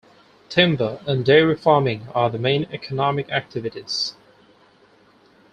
Timber and dairy farming are the main economic activities.